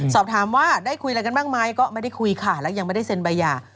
สอบถามว่าได้คุยอะไรกันบ้างไหมก็ไม่ได้คุยค่ะแล้วยังไม่ได้เซ็นใบหย่า